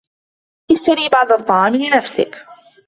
اشتري بعض الطّعام لنفسك.